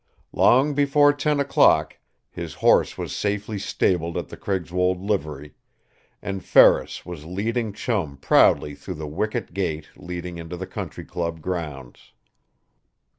Long before ten o'clock his horse was safely stabled at the Craigswold livery, and Ferris was leading Chum proudly through the wicket gate leading into the country club grounds.